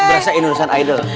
berasa indonesia idol